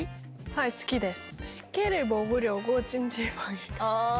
はい好きです。